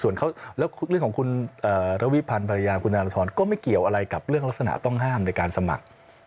แล้วเรื่องของคุณระวิพันธ์ภรรยาคุณธนทรก็ไม่เกี่ยวอะไรกับเรื่องลักษณะต้องห้ามในการสมัคร